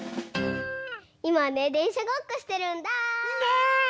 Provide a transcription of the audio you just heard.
いまねでんしゃごっこしてるんだ。ね！